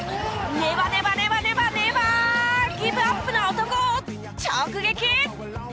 ネバネバネバネバネバーギブアップな男を直撃！